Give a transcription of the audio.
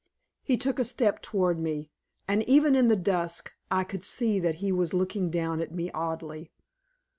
He took a step toward me, and even in the dusk I could see that he was looking down at me oddly.